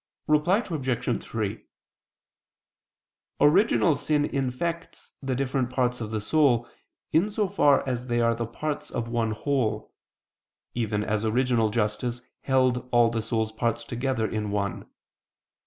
Reply Obj. 3: Original sin infects the different parts of the soul, in so far as they are the parts of one whole; even as original justice held all the soul's parts together in one.